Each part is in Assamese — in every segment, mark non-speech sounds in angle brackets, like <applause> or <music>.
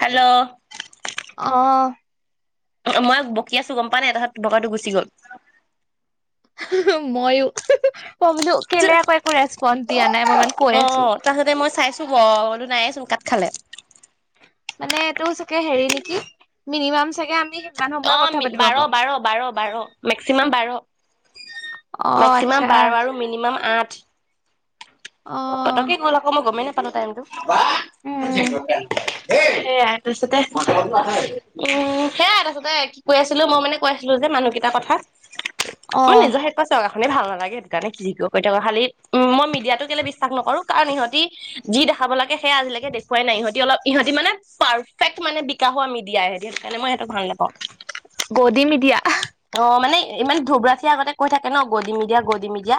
হেল্ল' অ মই বকিয় আছো গম প নাই তাহত বকাতটো গুচি গ'ল ময়ো প বলো কেলে আকৈ একো ৰেজপন নে অ তাৰপাছতে মই চাইছো চ ব বলো নাই চোন কাত খালে মানে এইটো চাগে হেৰি নেকি মিনিমাম চাগে আমি সিমান অ সময়ে কথা পাতিব বাৰ পাৰো বাৰ বাৰ বাৰ মেক্সিমাম বাৰ অ' আচ্ছা মেক্সিমাম বাৰ আৰু মিনিমাম আ <unintelligible> ত অ' কি কল আকৌ মই গমেই ন পালতাইটো বা উম স তাৰপছতে উম সেয়াই তাৰপছতে কি কৈ আছিলো মই মানে কৈ আছিলো যে মানুহ কেইটাৰ কথা মই অ' নিজৰ হেষ পাইছা মানে ভাল নালাগে সেইটো কাৰণে কি ক কৰি থাক খালি উম মই মিডিয়াতটো কেলে বিশ্বাস নকৰো কাৰণ ইহঁতি যি দেখাব লাগে সেয়া আজিলৈকে দেখুৱাই নাই ইহঁতি অলপ ইহঁতি মানে পাৰফেক্ট মানে বিকাশ হোৱা মিডিয়া ইহঁতি সেই কাৰণে মই সেইটো ভাল নাপাওঁ গোধীমিয়া অ মানে ইমান ধবৰাচি আগতে কৈ থাকে ন গদি মি দিয়া গদি মি দা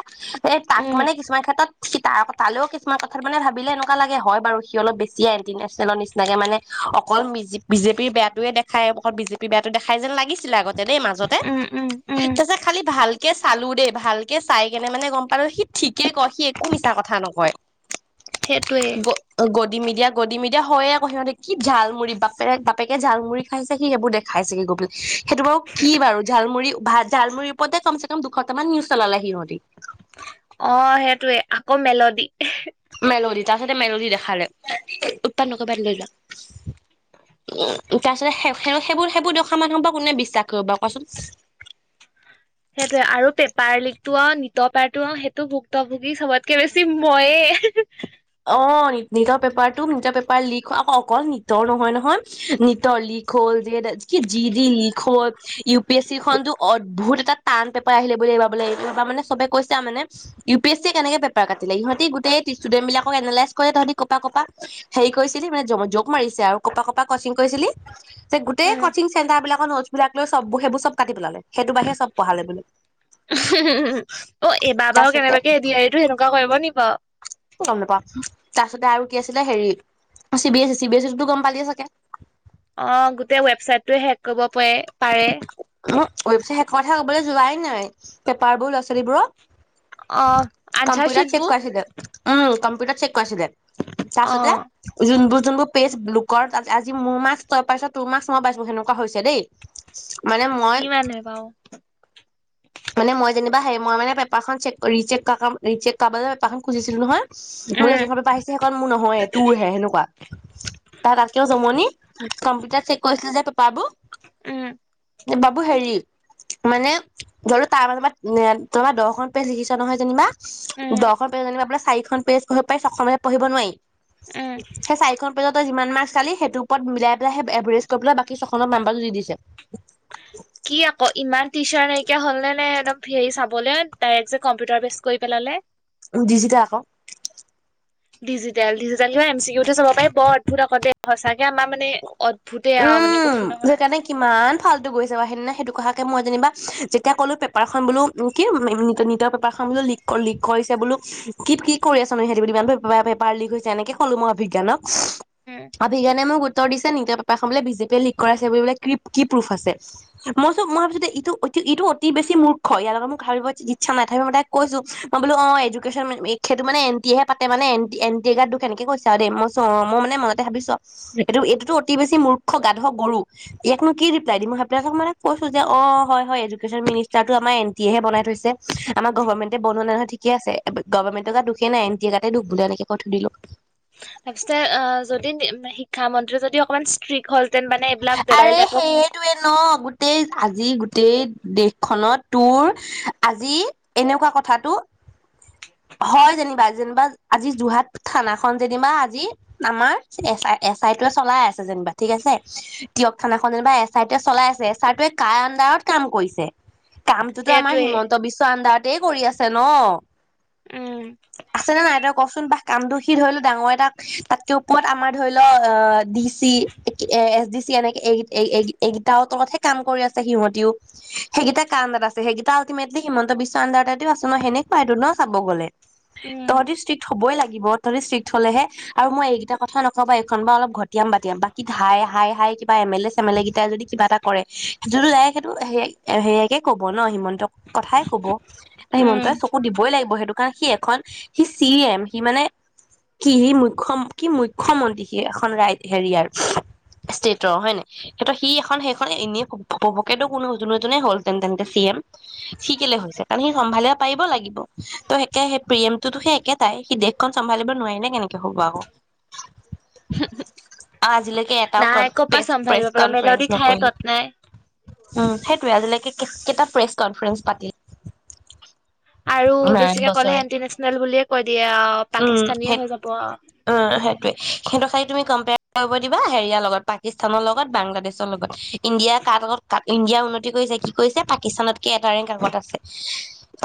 এই ত উম কিছুমান ক্ষেত্ৰত সি ত তালেও কিছুমান কথাত মানে ভাবিলে এনেকুৱা লাগে হয় বাৰু সি অলপ বেছিয়ে ইণ্টিনেচনেল নিচিনাকে মানে অকল বি বিজেপিৰ বেয়া োৱে দেখাই অকল বিজেপিৰ বেয়াাতটো দেখাই যেন লাগিছিলে আগত দেই মাজতে উম উম উম তাৰপিছত খালি ভাল কে চালো দেই ভালকে চাই কেনে মানে গম পালো সি ঠিকে কয় সি একো মিছা কথা নকয় সেইটোৱে গ গদি মিদিয়া গদি মিদিয়া হয়য়েকৌ সিহঁতে কি জালমু় বাপেক বাপেকে জালুডৰি খাইছে সি সেইবোৰ দেখাইছেগে গৈ পলে সেইটো বাৰু কি বাৰু ালমুৰি ভ ঝালমুৰি উপদে কম চে কম দুশতমানান নিউজ চলালাগ সি নৰি অ সেইটয়ে আকৌ মেলডি মেলোৰি তাৰ পাছতে মেৰ দি দেখালে উৎপাদনকবাত লৈ যোৱা উ তাৰপিছতে সেইবোৰ সেইবোৰ দেখা মানুহৰ পৰা কোনে বিশ্বাস কৰিবাৰু কোৱাচোন সেইটোয়ে আৰু পেপাৰ লিকতটো অ নিত পাৰটো সেইটো ভুক্তভোগী চবতকে বেছি ময়ে অ ন নিতৰ পেপাৰটো নিতৰ পেপাৰ লিক আকৌ অকল নটৰ নহয় নহয় নটৰ লিক হ'ল যে যি যি লিক হল ইউ পি এছ চি খনতো অদ্ভুত এটা টান পেপাৰ আহিলে বুলি মানেব কৈছে মানে ইউ পি এছ ই কেনেকে পেপাৰ কাটিলে ইিহঁতি গোটেই ষ্টুডেন্ট বিলাক এনালাইজ কৰি তহঁতি কপ কপা হেৰি কৰিছিলি মানে জোক মাৰিছে আৰু কপা কপা কচিং কৰিছিলি যে গোটেই উম। কচিং চেণ্টাৰ বিলাক নোছ বিাক লৈ চব সব চব কাটি পেলালে সেইটো বাহিৰে চব পঢ়ালে বোলে অ' এবাৰ বাৰু তাৰপিছতে কেনেবাকে এ দিয় এইটো সেনেকুৱা কৰিব নিক বাৰু? গম নাপাওঁ। তাৰপিছতে আৰু কি আছিলে হেৰি C B S E C B S E তো গম পালিয়ে চাগে? অ' গোটেই ৱেবচাইট হেক কৰিব পাৰে। পাৰে <unintelligible> কথা ক'বলৈ যোৱাই নাই পেপাৰ বোৰ ল'ৰা ছোৱালীবোৰক অ' আনচাৰ শিটবোৰ কৰাইছিলে উম কম্পিউটাৰ চেক। ছিলে তাৰপাছতে অ', যোনবোৰ যোনবোৰ পেজ বুকৰ ত আজি মোৰ মাৰ্ক তই পাইছ ত মাৰ্ক মই পাইছো সেনেকুৱা হৈছে দেই। মানে মই ইমানে বাৰু মানে মই যেনিবা হেৰি মই মানে পেপাৰখন চেক কৰি ৰিচেক পেপাৰখন খুজিছিলো নহয়। মোলৈ উম, জোখ পাৰিছে সেইকন মোৰ নহয় তোৰ হেনেুৱা তাৰ তাতকেও জমনি কম্পিউটাৰ চেক কৰিছিলে যে বাবু উম। বাবু হেৰি মানে ধৰিলো তাৰ মাজ তোমাৰ দহখন পেজ লিখিছ নহয় যেনিবা উম, দশ প জানিব আপোনাৰ চাৰিখন পেজঢিব পাৰিছ অসমীয়াতে পঢ়িব নোৱাৰি উম, সেই চাইখনখন পেজত যিমান মাৰ্ক চাল সেই ওপৰত মিলাইেলাইেই এভাৰেজ কৰি পেলাই বাকী ছখনত নাম্বাৰটো দিছে। কি আকৌ ইমান <unintelligible> নাই তো হ'ল নে নে একদম হেৰি চাবলে ডাইৰেক্ট যে কম্পিউটাৰ বেচ কৰি পেলালে উ দিজতেল আকৌ। ডিজিটেল ডিজিটেল ক এম চিওতে চাব পাৰি বদ ভুত আগতে সঁচাকে আমাৰ মানে অদ্ভুতে আৰু মানে উম, কৈছো নহয় সেইকাৰণে কিমান ফাল্টটো গৈছে বাৰু সেইদিনা সেইটো কথা তাকে মই যেনিবা যেতিয়া ক'লো পেপাৰখন বোলো কি নিতৰ পেপাৰ খন বোলো ল লিক কৰিছে বোলো কি কি কৰি আছ নো সিহঁতি বুলি ইমান পেপাৰ লিক হৈছে এনেকে ক'লো মই অভিজ্ঞানক। উম, অপি কেনে মই গোই উত্তৰ দিছে ন নিটল তেওঁৰ পেপাকখন বোলে বিজেপিয়ে লিক কৰাছে ব কি প্ৰফ আছে মই চো মই ভাবিছো দে এইটো ইটো অতি বেছি মূৰ্খ ইয়াৰ লগত মোক ভাবিবলৈ ইচ্ছা নাই তাপি মই তাক কৈছো মই বো অ', এডুকেশ্যন সেইটো মে এন টি এহে পা মানে এট এ্ দুখ এনেকৈছে আৰু দেই মইো অ', মই মান মতে ভাবিছো এইটো এইটোতো অতি বছি মূৰ্খ গাধ গৰু ইয়াকনো কি ৰিপ্লাই দিম মই সোইক মানে কৈছো যে অ', হয় হয় এডুেশ্যন মিনষ্টাৰটো আমাৰ এন টিহ বনাইছে আমাৰ গভৰ্ণমেণ্টে বনোৱা নাই নহয় ঠিকে আছে গভৰ্মেণ্টে গাত দুখে নাই এনটি এ গাতে দুখ বুলিলে এনেকে কৈ থৈ দিলোঁ। তাৰ পিছতে অ', যদি শিক্ষামন্ত্ৰী যদি অকমান ষ্ট্ৰিক্ট হ'ল আৰে সেইটোৱে ন' গো গোটেই আজি গোটেই দেশখনত তোৰ আজি এনেকুৱা কথাটো হয় যেনিবা যেনিবা আজি যোৰহাট থানা খন যেনিবা আজি আমাৰ এ আই এছ আই টোৱে চলাই আছে যেনিবা ঠিক আছে। টিয়ক থানাখনে বা এছ আই টোৱে চলাই আছে এছ আৰ টোৱে কাৰ আণ্ডাৰত কাম কৰিছে। কামটোতো আমাৰ সেইটোৱে হিমন্ত বিশ্ব আন্দাৰত। তেই কৰি আছে ন। উম, আছেনে নাই তই কচোন বা কাম দুষিত হলে ডাঙৰ এটাক তাতকে ওপৰত আমাৰ ধৰি ল অ D C A S D C এনেকে এই এই সেইকিটাহঁতৰ মতেহে কাম কৰি আছে সিহঁতিও সেইকেইটা কাৰ আন্দাৰত আছে সেইকেইটা আল্টিমেটলি হিমন্ত বিশ্ব আন্দাৰতে আছ ন সেনেক পাইদো ন চাব গ'লে উম, তহঁতি ষ্ট্ৰিক্ট হ'বই লাগিব তহঁতি ষ্ট্ৰিক্ট হ'লেহে আৰু মই এইকেইটা কথা নকবা এইখন বা অলপ ঘ তিয়াম বাাতিয়াম বাকী হাই হাই হাই কিবা এম এল এ চেমেলে কেইটাই যদি কিবা এটা কৰে জুনে নাই সেইটো সেয়াই সেয়াইকে ক'ব ন হিমন্ত কথাই কব উম, হিমন্তই চকু দিবই লাগিব সেইটো কাৰণে সি এক খন সি চি এম সি মানে কি সি মুখ্য কি মুখ্যমন্ত্ৰী। কিয়ে এখন ৰাইট হেৰি আৰু ষ্টেটৰ হয় ন সেইত সি এখন সেইখন এনেই উপভোকেলও কোনো জুলো জনে হল তেন তেন্তে চি এম। শিকিলে হৈছে কাৰণ সেই চম্ভালিব পাৰিব লাগিব ত' সেকেই সেই পিএমটোতো সেই একেটাই সি দেশখন চম্ভালিব নোৱাৰিলে কেনেকে হব আকৌ হু হু আজিলৈকে এটাও কনপেচ প্ৰেছ পাৰিব মেলডি কনফাৰেঞ্চ খাই নকৰিলে। তত নাই উ সেইটোৱে আজিলৈকে কেইটা প্ৰেছ কনফাৰেন্ঞ্চ পাতিলে। আৰু ইমান বেছিকে কলে বছৰে এণ্ন্টিনেচনেল বুলিয়ে কৈ দিয়ে আহ উম পাকিস্তানীয়ে সেই হৈ যাব। উম, সেইটোৱে সিহঁতক খালি তুমি কম্পেয়াৰ কৰিব দিবা হেৰিয়াৰ লগত পাকিস্তানৰ লগত বাংলাদেশৰ লগত ইণ্ডিয়াৰ কাৰ লগত কাৰ ইণ্ডিয়া উন্নত কি কৈছে কি কৈছে পাকিস্তানতকে এটা ৰেংক আগত আছে।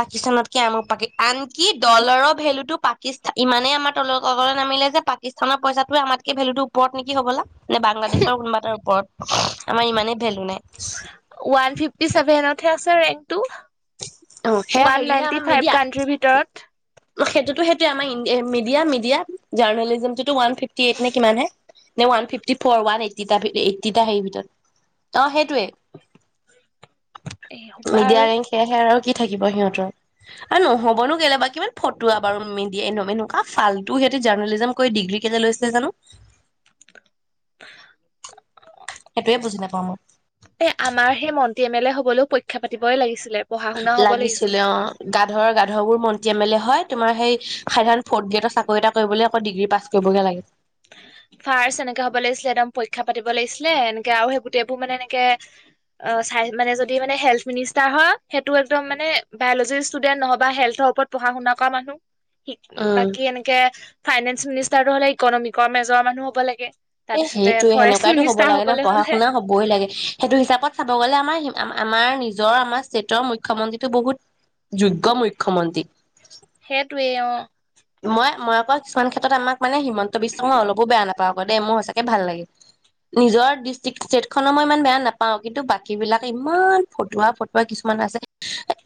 পাকিস্তানত কিয়ামো পাকে আনকি ডলাৰৰ ভেলুটো পাকিস্তান ইমানেই আমাৰ তললৈকে নামিলে যে পাকিস্তানৰ পইচাটোৱে আমাতকে ভেলুটোৰ ওপৰত নেকি হ'বলা নে বাংলাদেশৰ কোনোবা এটাৰ উমহ ওপৰত আমাৰ ইমানেই ভেলু নাই। হে আছেৰেং অ সেয়া হেৰিহে আমাৰ ফাইভ মিডিয়া কাণ্ট্ৰিৰ ভিতৰত সেইটোতো সেইটোয়ে আমাৰ মিডিয়া মিডিয়া জাৰ্ণলিজমটোতো ৱান ফিফটি এইট নে কিমান হে নে ওৱান ফিফটি ফ'ৰ ৱান এইটটিটা এইটটিটা হেৰিৰ ভিতৰত অ সেই এইটোৱে এ সোপা আৰু মিডিয়াৰে সেয়া আৰু কি থাকিব সিহঁতৰ আৰু নহ'বনো কেলোবা কিমান ফতুয়া বাৰু মিন দিয়ে এনম এনেকুৱা ফালতু সিহঁতে জাৰ্নেলিজম কৰি ডিগ্ৰী কেইটা লৈছিলে জানো। সেইটোয়ে বুজি নাপাওঁ মই এ আমাৰ সেই মন্ত্ৰী এম এল এ হ'ব হলেও পৰীক্ষা পাতিবই লাগিছিল। আহ লাগিছিলে অ গাধৰ গাধ বোৰ মন যি এম এল এ হয় তোমাৰ সেই সাধাৰণ ফৰ্থ গ্ৰেডৰ চাকৰি এটা কৰিবলৈ আকৌ ডিগ্ৰী পাছ কৰিবগে লাগে। ফাৰ্ষ্ট এনেকে হ'ব লাগিছিলে একদম পৰীক্ষা পাতিব লাগিছিলে এনেকে আৰু সেই গোটেইবোৰ মানে এনেকে অ চাই মানে যদি মানে হেল্থ মিনষ্টাৰ হয় সেইটো একদম মানে বায়লজিৰ ষ্টুডেণ্ট নহয় বা হেল্থৰ ওপৰত পঢ়া শুনা কৰা মানুহ ঠিকেই উম বাকি এনেকে ফাইনেন্স মিনষ্টাৰটো হলে ইকনমিকৰ মেজৰ জ্বৰ মানুহ হ'ব লাগে। তাৰপিছতে এইটোয়ে ফৰেষ্ট সেনেকুৱাইটো হ'ব মিনিষ্টাৰ লাগে ন' হবলৈ পঢ়া হ'লে শুনা হবই লাগে সেইটো হিচাপত চাব গ'লে আমাৰ হি আমা আমাৰ নিজৰ আমাৰ ষ্টেটৰ মুখ্যমন্ত্ৰীটো বহুত যোগ্য মুখ্যমন্ত্ৰী। সেইটোৱেই অ'। ক' কিছু ক্ষেত্ৰত আমাক মানে হিমন্ত বিশ্বক মই অলপো বেয়া নাপ মোৰ সঁচা কে ভাল লাগে নিজৰ ডিষ্টি ষ্টৈটখনৰ মই ইমান বেয়া নাপাওঁ কিন্তু বাকী বিলাকে ইমান ফটোৱা ফটোৱা কিছুমান আছে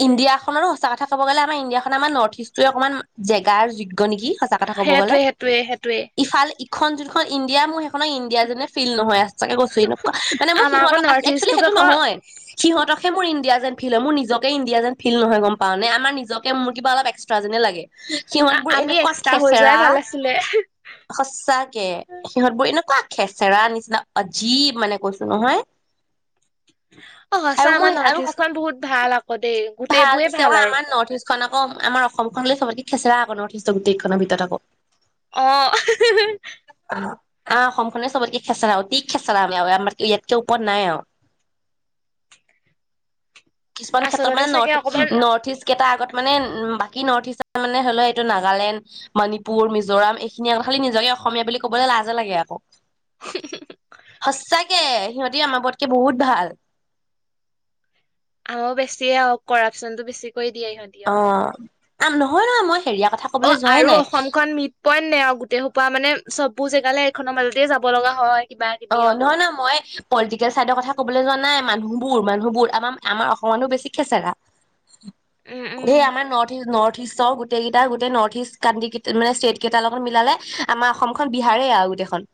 ইণ্ডিয়াখনৰো সঁচা কথা ক'বলৈ গ'লে আমাৰ ইণ্ডিয়াখনৰ আমাৰ ন'ৰ্থইষ্টটোৱে অকমান জে কাৰ যি নেকি সঁচা কথা ক'ব গ'লে, সেইটোৱে সেইটোৱে সেইটোৱে ইফাল খন যোনখন ইণ্ডিয়া মোৰ সেইখনৰ ইণ্ডিয়াযেণে ফিল নহয় আছ কৈছো মানে মোৰ আমাৰ আকৌ সিহঁতক আ নৰ্থ এক্চোৱেলি ইষ্টটোক সেইটো আকৌ নহয় সিহঁতক সেইোৰ ইণ্ডিয়া যেন ফিল হয় মোৰ নিজকে ইণ্ডিয়া যেন ফিল নহয় গম পাও নেমাৰ নিজকে মোৰ কিবা অল এক্সট্ৰা যেনে লাগে। সিহঁত বোৰ আমি এনেকুৱা এক্সট্ৰা হৈ খেচেৰা যোৱাই ভাল আছিলে সচাকে সিহঁত বোৰ এনেকুৱা খেচেৰা নিচিনা অজীৱ মানে কৈছো নহয় অ' আৰু সঁচা মই আমাৰ আৰু নৰ্থ ইষ্ট সঁচ- খ বহুত ভাল আকৌ দেই গোটেই বোৰে ভাল আৰু খখন আকৌ আমাৰ অসমখনলৈ চবক খেচেৰা আগনৰ যথেষ্ট গোটেইখনৰ ভিতৰত থাকক অ' আহ অসম খনে চবতকে খেচৰা অতি খেচৰা আমি আমাৰ ইয়াতকে ওপৰত নাই আৰু কিছুমান ক্ষেত্ৰত আচলতে মানে চাগে নৰ্ অকমান নৰ্থ ইষ্ট কেইটা আগত মানে উ বাকী নৰ্থ ইষ্ট মানে হলেও এইটো নাগালেণ্ড মণিপুৰ মিজোৰাম এইখিনি আগত খালি নিজকে অসমীয়া বুলি ক'বলৈ লাজে লাগে আকৌ। সঁচাক তাকে সিহঁতে আমাৰ পতকে বহুত ভাল আম বেছিয়ে হক কৰাপশচনতটো বেছি ক দিয় অ সতিয় আম নহয় নহ মই হেৰিয়া কথা অ' কবলৈ যোৱাই আৰু নাই অসমখন মিড পইণ্ট নে আৰু গোটেই সোপা মানে চবু জেগালৈ খনৰ মাজতে যাব লগা হয়। কিবা কিবি অ', আৰু নহয় নহয়, মই পলিটিকেল চাইদৰ কথা কবলৈ যোৱা ন নাই মানুহবোৰ, মানুহবোৰ। আমাৰ-আমাৰ অসমৰ মানুহ বেছি। উম <unintelligible> উম সেই আমাৰ নৰ্থ ই নৰ্থ <unintelligible> গোটেইকেইটা গোটেই নৰ্থ ইষ্ট কানটি কেই মানে ষ্টেট কেইটাৰ লগত মিলালে, আমাৰ অসমখন বিহাৰেই আৰু গোটেইখন।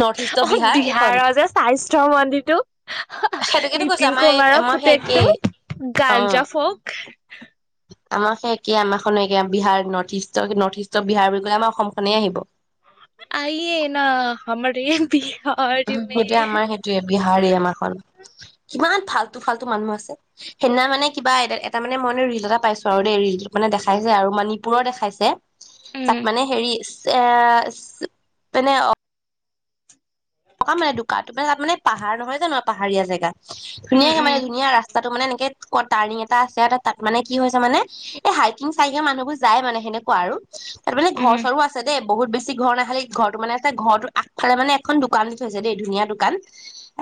নৰ্থ ইষ্টৰ অ', বিহাৰ এইখন বিহাৰৰ যে স্বাস্থ্য মন্ত্ৰীটো, সেইটোকেতো কৈছো নীতিন আমাৰ এই কুমাৰৰ আমাৰ সেই একেই পুতেকটো, গাঞ্জা ফক আমাৰো সে একে, আমাৰখনো একে, বিহাৰ নৰ্থ ইষ্টৰ নৰ্থ ইষ্টৰ বিহাৰ বুলি কলে আমাৰ অসমখনেই আহিব। আইয়ে না, হমাৰে বি সেইটোয়ে আমাৰ সেইটোয়ে বিহাৰেই আমাৰখন কিমান ফাল্টু ফাল্টু মানুহ আছে সেইদিনা মানে কিবা এ এটা মানে মই ৰিল এটা পাইছো আৰু দেই ৰিল মানে দেখাইছে আৰু মণিপুৰৰ দেখাইছে উম তাক মানে হেৰি এ মানে অ ককা মানে দোককা তাৰে তাত মানে পাহাৰ নহয় জানো পাহাৰীয়া জেগা উম ধুনীয়াকে মানে উম ধুনীয়া ৰাস্তা তাতো মানে এনেকেটাৰ্ণিং এটা আছে আৰু তাত মানে কি হৈছে মানে এই হাইকিং চাইকিং মানুহবোৰ যায় মানে সেনেকুৱা আৰু তাৰ মানে ঘৰ উম চৰো আছে দেই বহুত বেছি ঘৰ নাখালে ঘৰটো মানে ঘৰ আগফোনে এখন দু দান থৈছে দেই ধুনীয়া দোকান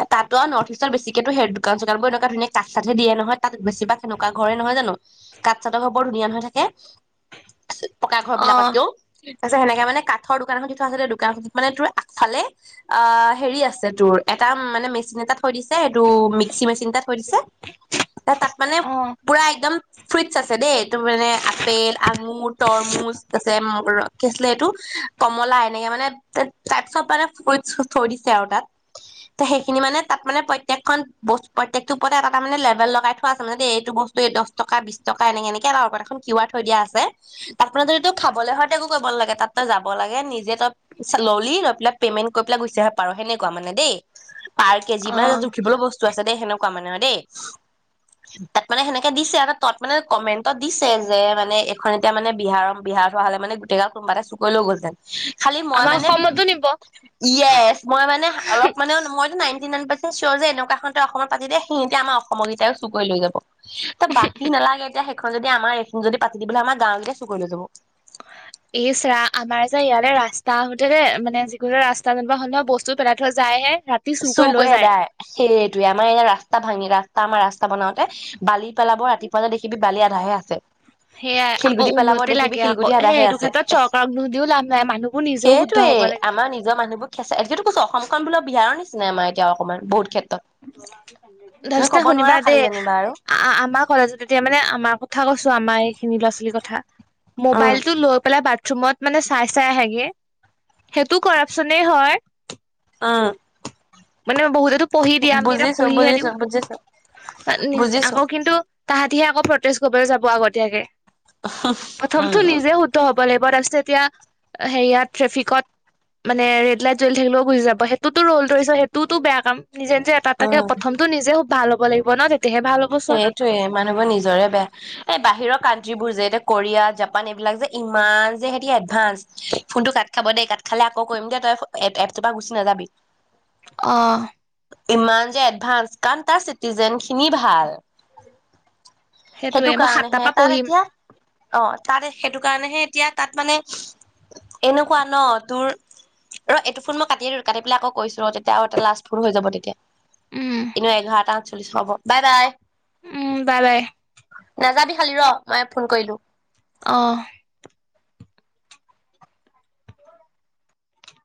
এ তাতো আৰু নৰ্থ ইষ্ট বেছিকেতোেই দোকান চোকান বোৰ এনেকুৱ ধুন কা চাতহ দিয়ে নহয় ত বেি বা সনেকুৱা ঘৰে নহয় জানো কাত চাতক হ বৰ ধুনীয়া ন হৈ থাকে পকা ঘৰ অ বিলাকত কও তাৰিছত সেনেক মানে কঠৰোকানখনি থ আছিলে দোকানখন মান তোৰ আগফালে অ হেৰি আছে তোৰ এটা মানে মেচিন এটাত থৈ দিছে এইটো মিক্সি মেচিন তাত থৈ দিছে তাত মানে অ পুৰা একদম ফ্ৰিটছ আছে দেেই ত মানে আপেল আঙুৰ তৰমুজ আছে ম শ আছিলে এইটো কমলা এনেকে মানে তাত চব মানে ফু থ দি আৰু তাত ত সেইখিনি মানে তাত মানে প্ৰত্েকখন প্ৰতেক ওপৰত এটা এ মে লেবেল লগাই থ আছে মানে দেই এইটো বস্তু দ টকা বি টকা এ পৰত এ আৰ থৈ দিয়া আছে তাত মানে যদি ত খাব হয় তো কৰিব নাগে তাত তই যাব লাগে নিজে তই কৈ পেলাই গুচি আহে পাৰ সেনেকুৱা মানে দেই পাৰ্ কে অ যিমান জুখিবলৈ বস্ত আছেেই সেনেকা কোৱা মানে দেই তাত মানে সেনেকে দিছে আৰু তত মানে কমেন্টত দিছে যে মানে এখন এতিয়া মানে বিহাৰৰ বিহাৰত হোৱা হ'লে মানে গোটেই গাঁ কোনোবা এটা চুকৈ লৈ গলহতেন আমাৰ অসমতো নিব মইানে অলপ মানে মই নাইনটি নাইন পাৰ্চেট চৰ যে এনেকুৱা খতেই অসমত পাতি দে সিহতে আমাৰ অসমৰকেইাইও চুক কৰি লৈ যাব ত বাকী নালাগে যে খন যদি আমাৰ এইখনিন যদি পাতি দিবলৈ আমাৰ গাওকেইয়া চুকৰি লৈ যাব এই চ আমাৰ যে ইয়াল ৰাস্তা আহোতে যে মানে যিকোনো যে ৰাস্তা যেনিব হলেহ বস্তু পেলাই থৈ যায়হে ৰাতি চুৰ চু কৰি লৈ কৈ যায় এদাই সেইটয়ে আমাৰ এ ৰাস্তা ভাঙি ৰাসা ত আমাৰ ৰাস্তা বনাওঁতে বালি পেলাব ৰাতিপুৱাতে দেখিবি বালি আধাহে আছে সেয়াই আকৌ শিলগুটি পেলাব উন্নতি দেখিবি লাগে আকৌ শিলগুটি সেই সদাহে এইটো আছে ক্ষেত্ৰত চৰকাৰক দোষ দিও লাভ নাই মানুহবোৰ নিজেও শুদ্ধ সেইটোৱেই হব লাগে। আমাৰ নিজৰ মানুহবোৰ খেচো কৈছো অসমখন বোলা বিহাৰৰ নেকি চনেমা এতিয়া অকমান বহুত ক্ষেত্ৰ ধা শুনিবা খালি দেই যেনিবা আৰু আমাৰ কলেজত এতিয়া মানে আমাৰ কথা কৈছো আমাই খিনি ল'ৰা ছোৱালীৰ কথা উম মোবাইলতটো লৈ পেলাই ৰুমত মানে চাই চাই আহেগে সেইটো কপচনে হয় অঁ মানে বহুততো পঢ়ি দিয়া আমি এটা পঢ়িহে বুজিছো দিওঁ বুজিছো। বুজিছো আকৌ কিন্তু তাহাতে আকৌ প্ৰটছ কৰিবলৈ যাব আগতীয়াকৈ অঁ বলে তাৰপিত এতিয়া হেৰিয়াত ট্ৰেফিকত মানে ৰেড লাইট জ্বলি থাকিলেও গুচি যাব সেইটোতো ৰ'ল ধৰিছ সেইটোওতো বেয়া কাম নিজে নিজ এটা তাকে প্ৰথমটো নিজে ভাল হ'ব লাগিব ন তেতিয়াহে ভাল হ'ব চব সেইটয়ে মানুহবোৰ নিজৰে বেয়া এ বাহিৰৰ কানট্ৰিবোৰ যে দে কোৰিয়া জাপান এইবিলাক যে ইমান যে সিহঁত এডভান্স ফোনটো কাট খাব দেই কাট খালে আকৌ কৰিম দে তই এপটোৰ পৰা গুচি নাযাবি অঁ ইমান যে এডভানস কাৰণ তাৰ চিটিওঁজেন খিনি ভাল সেইটোৱে সেইটো মই সাতটাৰ কাৰণেহে পৰা তাত পঢ়িম এতিয়া অ তাত সেইটো কাৰণেহে এতিয়া তাত মানে এনেকুৱা ন তোৰ ৰ এইটো ফোন মই কাটিয় কাটি পেলাই আকৌ কৈছো তেতিয়া আৰু এটা লষ্ট ফুল হৈ যাব তেতিয়া উম এনে এঘাৰটা চলিছ হ'ব বাই বাই উম বাই বাই নাযাবি খালি ৰ মই ফোন কৰিলো অঁ